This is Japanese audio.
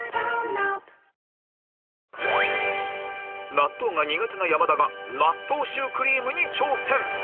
納豆が苦手な山田が納豆シュークリームに挑戦！